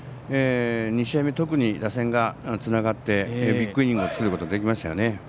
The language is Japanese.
２試合目特に打線がつながってビッグイニングを作ることができましたよね。